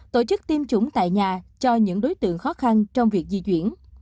tổ chức tiêm chủng tại nhà cho những đối tượng khó khăn trong việc di chuyển